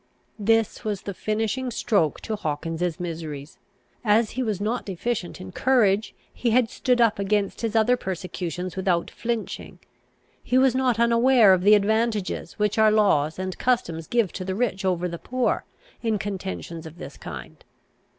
This was the finishing stroke to Hawkins's miseries: as he was not deficient in courage, he had stood up against his other persecutions without flinching. He was not unaware of the advantages which our laws and customs give to the rich over the poor, in contentions of this kind.